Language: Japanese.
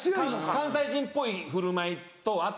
関西人っぽい振る舞いって。